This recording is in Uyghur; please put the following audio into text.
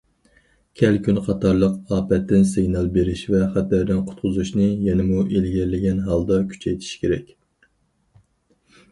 كەلكۈن قاتارلىق ئاپەتتىن سىگنال بېرىش ۋە خەتەردىن قۇتقۇزۇشنى يەنىمۇ ئىلگىرىلىگەن ھالدا كۈچەيتىش كېرەك.